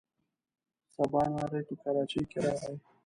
سباناری په کراچۍ کې راغی.